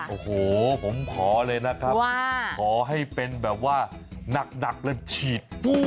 โอ้โฮผมพอเลยนะครับพอให้เป็นแบบว่าหนักเริ่มฉีด